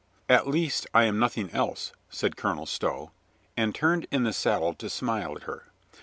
"At least I am nothing else," said Colonel Stow, and turned in the saddle to smile at her.